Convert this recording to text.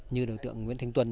như đối tượng nguyễn thánh tuân